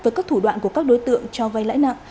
với các thủ đoạn của các đối tượng cho vay lãi nặng